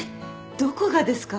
どこがですか？